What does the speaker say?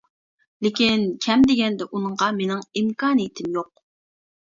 لېكىن، كەم دېگەندە ئۇنىڭغا مېنىڭ ئىمكانىيىتىم يوق.